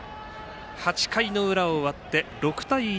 ８回の裏終わって６対１。